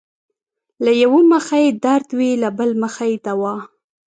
له يؤه مخه يې درد وي له بل مخه يې دوا